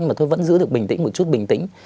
mà tôi vẫn giữ được bình tĩnh một chút bình tĩnh